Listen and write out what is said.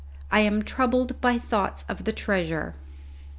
I AM TROUBLED BY THOUGHTS OF THE TREASURE.